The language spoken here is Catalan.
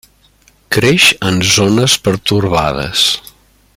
Creix en zones pertorbades.